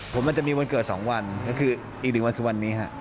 ผมอาจจะมีวันเกิด๒วันก็คืออีก๑วันคือวันนี้ฮะ